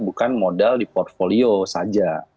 bukan modal di portfolio saja